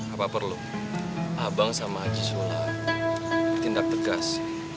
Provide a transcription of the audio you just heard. apa perlu abang sama haji sula bertindak tegas